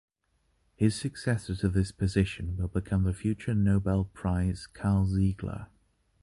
His successor to this position will become the future Nobel Prize Karl Ziegler.